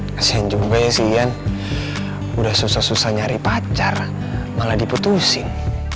kasian juga ya si ian udah susah susah nyari pacar malah diputusin